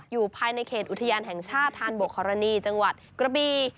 อยู่ในเขตอุทยานแห่งชาติธานบกฮรณีจังหวัดกระบี